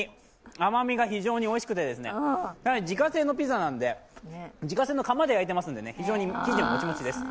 甘みが非常においしくて、更に自家製のピザなんで、自家製の窯で焼いてますんで非常に生地ももちもちです。